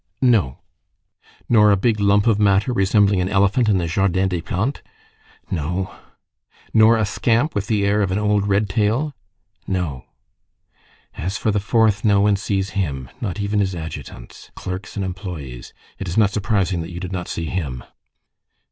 "No." "Nor a big lump of matter, resembling an elephant in the Jardin des Plantes?" "No." "Nor a scamp with the air of an old red tail?" "No." "As for the fourth, no one sees him, not even his adjutants, clerks, and employees. It is not surprising that you did not see him."